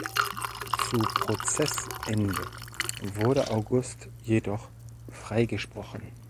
Zu Prozessende wurde August jedoch freigesprochen.